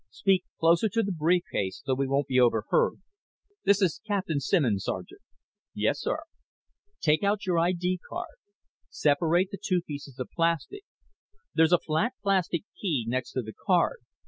Speak closer to the brief case so we won't be overheard. This is Captain Simmons, Sergeant." "Yes, sir." "Take out your ID card. Separate the two pieces of plastic. There's a flat plastic key next to the card.